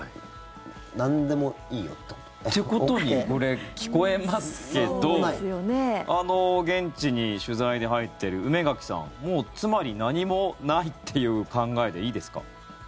なんでもいいよってこと？ということにこれ、聞こえますけど現地に取材で入っている梅垣さんつまり何もないという考えでいいですか？